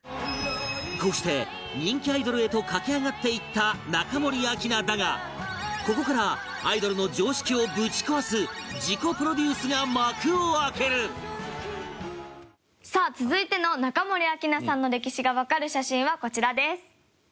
こうして人気アイドルへと駆け上がっていった中森明菜だがここからアイドルの常識をぶち壊す自己プロデュースが幕を開けるさあ続いての中森明菜さんの歴史がわかる写真はこちらです。